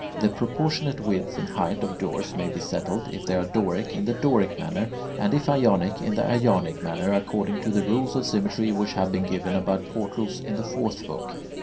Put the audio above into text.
The proportionate width and height of doors may be settled, if they are Doric, in the Doric manner, and if Ionic, in the Ionic manner, according to the rules of symmetry which have been given about portals in the fourth book.